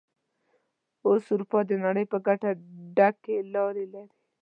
اوس اروپا د نړۍ د ګټه ډکې لارې لري.